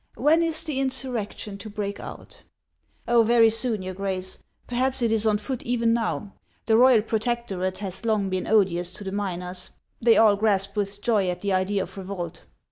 When is the insurrection to break out ?"" Oh, very soon, your Grace ; perhaps it is on foot even now. The royal protectorate has long been odious to the miners ; they all grasped with joy at the idea of revolt.